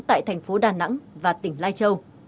tại thành phố đà nẵng và tỉnh lai châu